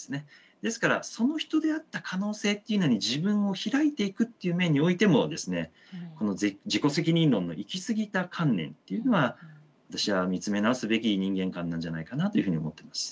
ですからその人であった可能性っていうのに自分を開いていくっていう面においてもですねこの自己責任論の行き過ぎた観念っていうのは私は見つめ直すべき人間観なんじゃないかなというふうに思ってます。